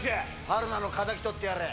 春菜の敵取ってやれ。